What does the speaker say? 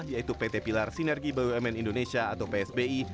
yaitu pt pilar sinergi bumn indonesia atau psbi